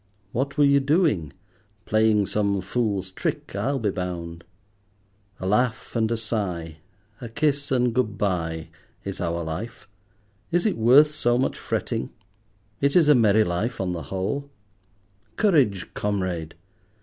What were you doing? Playing some fool's trick, I'll be bound. A laugh and a sigh, a kiss and good bye, is our life. Is it worth so much fretting? It is a merry life on the whole. Courage, comrade.